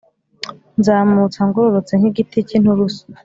nzamuka ngororotse nk’igiti cy’inturusu.